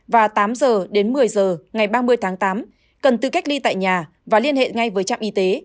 và tám h đến một mươi giờ ngày ba mươi tháng tám cần tự cách ly tại nhà và liên hệ ngay với trạm y tế